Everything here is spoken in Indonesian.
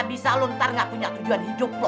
bisa lo ntar gak punya tujuan hidup lo